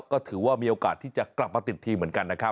ก็ถือว่ามีโอกาสที่จะกลับมาติดทีมเหมือนกันนะครับ